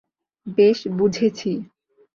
বেশ, বুঝেছি।